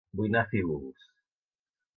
Vull anar a Fígols